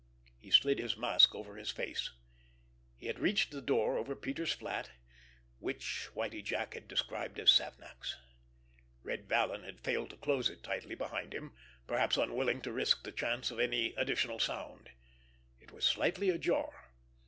He slid his mask over his face. He had reached the door over Peters' flat, which Whitie Jack had described as Savnak's. Red Vallon had failed to close it tightly behind him—perhaps unwilling to risk the chance of any additional sound. It was slightly ajar.